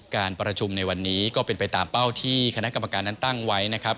การประชุมในวันนี้ก็เป็นไปตามเป้าที่คณะกรรมการนั้นตั้งไว้นะครับ